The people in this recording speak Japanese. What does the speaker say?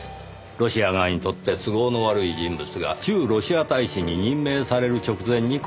ロシア側にとって都合の悪い人物が駐ロシア大使に任命される直前に殺された。